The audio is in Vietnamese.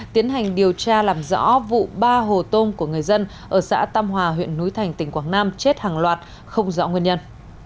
tiến hành điều tra làm rõ vụ ba hồ tôm của người dân ở xã tam hòa huyện núi thành tỉnh quảng nam chết hàng loạt không rõ nguyên nhân